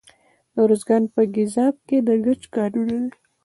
د ارزګان په ګیزاب کې د ګچ کانونه دي.